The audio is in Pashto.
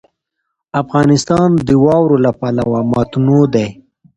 افغانستان د واوره له پلوه متنوع دی.